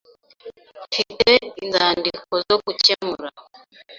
Mfite inzandiko zo gukemura.